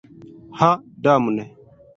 Ha damne!